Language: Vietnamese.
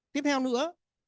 tiếp theo nữa